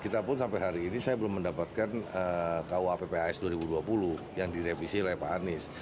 kita pun sampai hari ini saya belum mendapatkan kuappas dua ribu dua puluh yang direvisi oleh pak anies